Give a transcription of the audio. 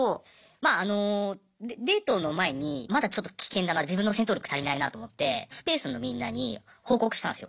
まああのデートの前にまだちょっと危険だな自分の戦闘力足りないなと思ってスペースのみんなに報告したんすよ。